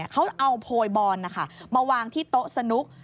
เขาเอาโพยบอลมาวางที่โต๊ะสนุก